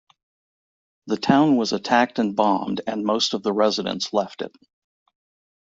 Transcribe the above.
The town was attacked and bombed and most of the residents left it.